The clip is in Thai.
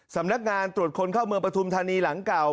สำนักงานตรวจคนเข้าเมืองปฐุมธานีหลังเก่า